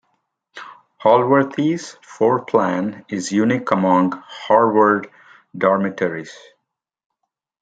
Holworthy's floorplan is unique among Harvard dormitories.